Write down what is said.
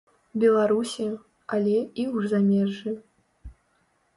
Беларусі, але і ў замежжы.